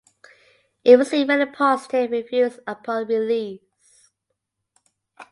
It received many positive reviews upon release.